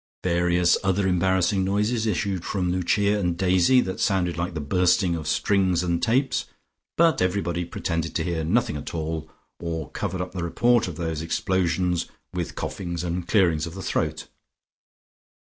Various other embarrassing noises issued from Lucia and Daisy that sounded like the bursting of strings and tapes, but everybody pretended to hear nothing at all, or covered up the report of those explosions with coughings and clearings of the throat.